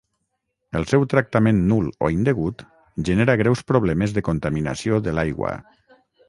El seu tractament nul o indegut genera greus problemes de contaminació de l'aigua.